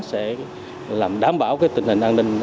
để đảm bảo tình hình an ninh